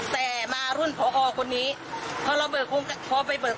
แต่มารุ่นผอคนนี้พอไปเบิกทุนปุ๊บต้องไปเจอผอก่อน